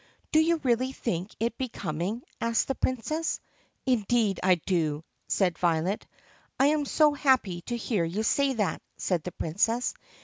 "Do you really think it is becoming?" asked the Princess. "Indeed I do!" said Violet. "I am so happy to hear you say that," said the Princess.